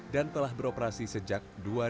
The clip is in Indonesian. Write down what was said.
dan telah beroperasi sejak dua ribu tujuh belas